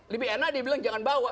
lebih enak dia bilang jangan bawa